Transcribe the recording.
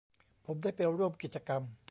ผมได้ไปร่วมกิจกรรม